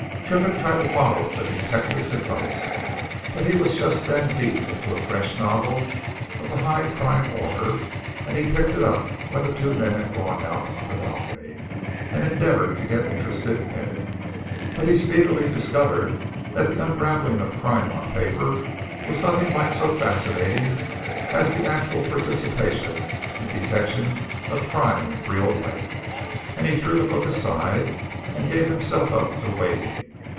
Triffitt tried to follow the detective's advice he was just then deep in a French novel of the high crime order, and he picked it up when the two men had gone out on the balcony and endeavoured to get interested in it. But he speedily discovered that the unravelling of crime on paper was nothing like so fascinating as the actual participation in detection of crime in real life, and he threw the book aside and gave himself up to waiting.